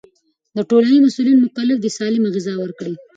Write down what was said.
د ټولنې مسؤلين مکلف دي سالمه غذا ورکړي.